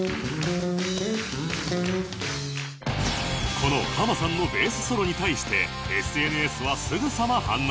このハマさんのベースソロに対して ＳＮＳ はすぐさま反応